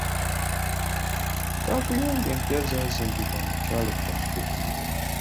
Kaabuyonjo empya zaazimbibwa mu kyalo kyaffe.